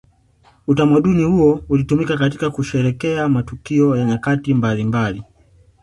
Utamaduni huo ulitumika katika kusherehekea matukio ya nyakati mbalimbali